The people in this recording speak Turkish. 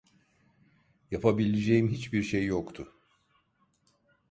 Yapabileceğim hiçbir şey yoktu.